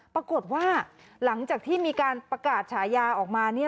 ปรากฏว่าหลังจากที่มีการประกาศฉายาออกมา